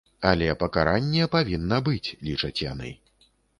Але пакаранне павінна быць, лічаць яны.